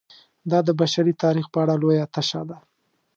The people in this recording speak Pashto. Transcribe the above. دا د بشري تاریخ په اړه لویه تشه ده.